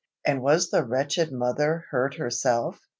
"And was the wretched mother hurt herself?"